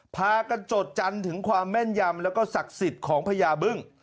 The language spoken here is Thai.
พากันจดจันทร์ถึงความแม่นยำแล้วก็ศักดิ์สิทธิ์ของพญาบึ้ง